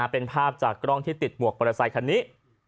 เป็นภาพจากกล้องที่ติดหมวกมอเตอร์ไซคันนี้